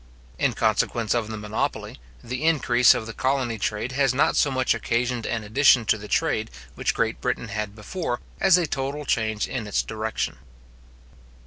In consequence of the monopoly, the increase of the colony trade has not so much occasioned an addition to the trade which Great Britain had before, as a total change in its direction.